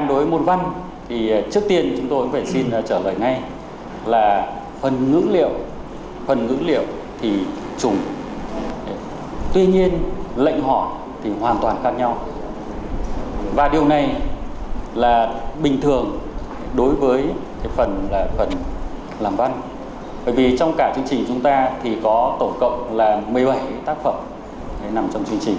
đối với phần làm văn bởi vì trong cả chương trình chúng ta có tổ cộng một mươi bảy tác phẩm nằm trong chương trình